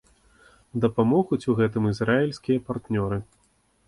Дапамогуць у гэтым ізраільскія партнёры.